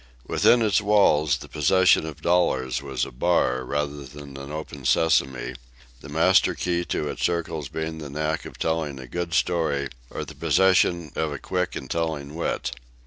Within its walls the possession of dollars was a bar rather than an "open sesame," the master key to its circles being the knack of telling a good story or the possession of quick and telling wit.